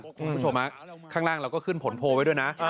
คุณผู้ชมข้างล่างเราก็ขึ้นผลโพลไว้ด้วยนะ